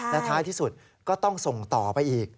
และท้ายที่สุดก็ต้องส่งต่อไปอีก